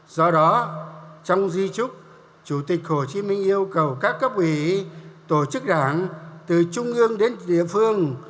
do đó trong di trúc chủ tịch hồ chí minh yêu cầu các cấp ủy tổ chức đảng từ trung ương đến địa phương